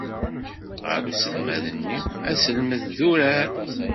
Ɣer uselmad-nni, asselmed d urar.